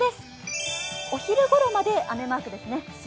お昼頃まで雨マークですね。